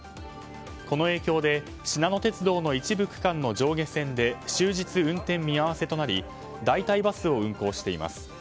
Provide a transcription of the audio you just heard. この影響でしなの鉄道の一部区間の上下線で終日運転見合わせとなり代替バスを運行しています。